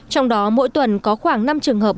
trong đó mỗi tuần có khoảng năm trường hợp